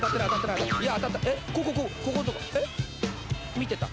［見てた？